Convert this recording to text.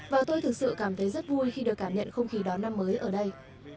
và tôi thực sự cảm thấy rất vui khi được cảm nhận không khí đón năm mới ở đây